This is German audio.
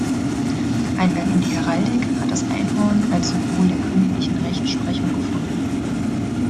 Eingang in die Heraldik hat das Einhorn als Symbol der königlichen Rechtsprechung gefunden.